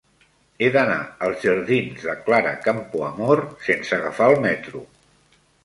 He d'anar als jardins de Clara Campoamor sense agafar el metro.